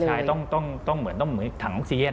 ใช้จ่ายต้องเหมือนถังออกซีเย็น